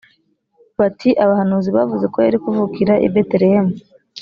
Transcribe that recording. bati abahanuzi bavuze ko yari kuvukira i betelehemu